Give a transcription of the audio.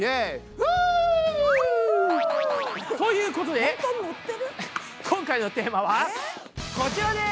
ふ！ということで今回のテーマはこちらです！